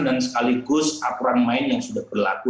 dan sekaligus aturan main yang sudah berlaku